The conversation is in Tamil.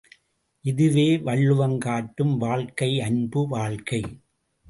இதுவே வள்ளுவம் காட்டும் வாழ்க்கை அன்பு வாழ்க்கை!